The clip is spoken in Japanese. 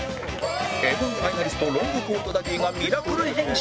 Ｍ−１ ファイナリストロングコートダディがミラクル変身